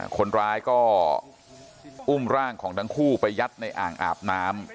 คนร้ายก็อุ้มร่างของทั้งคู่ไปยัดในอ่างอาบน้ำ